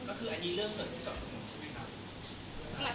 ก็คืออันนี้เรื่องเกิดขึ้นกับสนุนใช่ไหมครับ